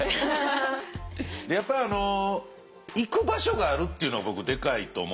やっぱ行く場所があるっていうのは僕でかいと思うんですよ。